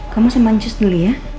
kamu sama jus dulu ya